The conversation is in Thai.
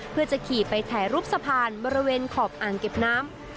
เพื่อจะขี่ไปถ่ายรูปสะพานบริเวณขอบอ่างเก็บน้ำ